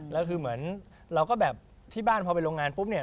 แล้วคือเหมือนเราก็แบบที่บ้านพอไปโรงงานปุ๊บเนี่ย